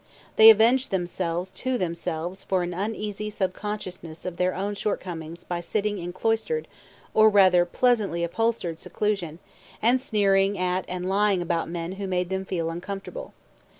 They avenged themselves to themselves for an uneasy subconsciousness of their own shortcomings by sitting in cloistered or, rather, pleasantly upholstered seclusion, and sneering at and lying about men who made them feel uncomfortable.